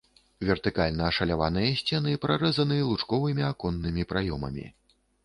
Вертыкальна ашаляваныя сцены прарэзаны лучковымі аконнымі праёмамі.